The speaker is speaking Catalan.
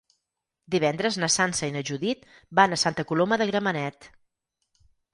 Divendres na Sança i na Judit van a Santa Coloma de Gramenet.